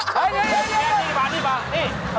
เฮ่ยนี่มานี่อะไร